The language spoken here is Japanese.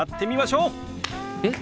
えっ？